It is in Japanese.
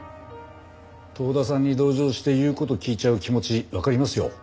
遠田さんに同情して言う事聞いちゃう気持ちわかりますよ。